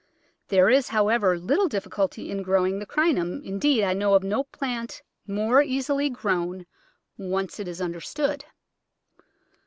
There is, however, little difficulty in growing the Crinum — in deed, I know of no plant more easily grown, once it is understood.